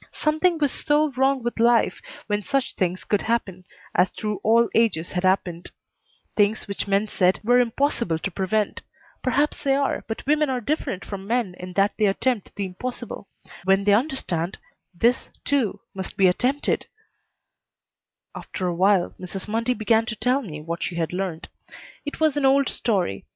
Something was so wrong with life when such things could happen, as through all ages had happened; things which men said were impossible to prevent. Perhaps they are, but women are different from men in that they attempt the impossible. When they understand, this, too, must be attempted After a while Mrs. Mundy began to tell me what she had learned. It was an old story.